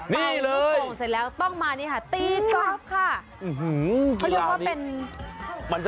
เป่าลูกโป่งเสร็จแล้วต้องมานี่ค่ะตีกอล์ฟค่ะ